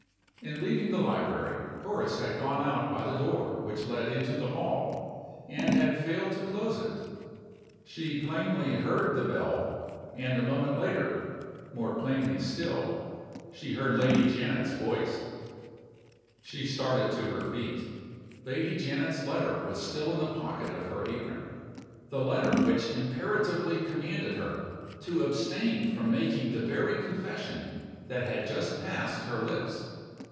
In leaving the library, Horace had gone out by the door which led into the hall, and had failed to close it. She plainly heard the bell and a moment later (more plainly still) she heard Lady Janet's voice! She started to her feet. Lady Janet's letter was still in the pocket of her apron the letter which imperatively commanded her to abstain from making the very confession that had just passed her lips!